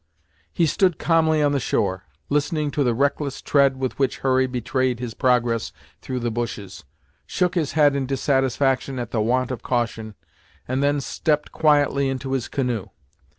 He stood calmly on the shore, listening to the reckless tread with which Hurry betrayed his progress through the bushes, shook his head in dissatisfaction at the want of caution, and then stepped quietly into his canoe.